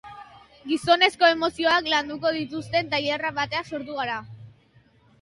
Gizonezkoen emozioak landuko dituzten tailera batean sartuko gara.